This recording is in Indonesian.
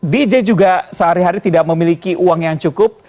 dj juga sehari hari tidak memiliki uang yang cukup